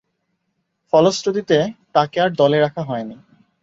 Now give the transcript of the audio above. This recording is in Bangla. ফলশ্রুতিতে, তাকে আর দলে রাখা হয়নি।